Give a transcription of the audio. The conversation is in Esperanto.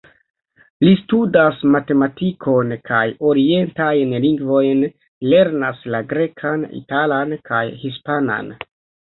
Li studas matematikon kaj orientajn lingvojn, lernas la grekan, italan kaj hispanan.